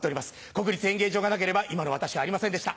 国立演芸場がなければ今の私はありませんでした。